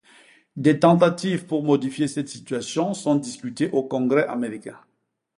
Des tentatives pour modifier cette situation sont discutées au Congrès américain.